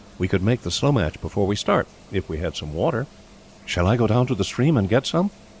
We could make the slow match before we start, if we had some water." "Shall I go down to the stream, and get some?"